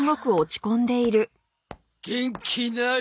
元気ない。